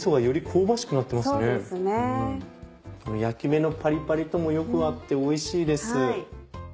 この焼き目のパリパリともよく合っておいしいです。